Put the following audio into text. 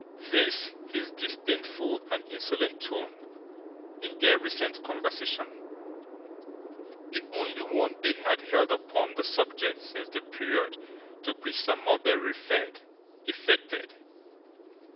This his disdainful and insolent tone in their recent conversation (the only one they had held upon the subject since the period to which Sir Mulberry referred), effected.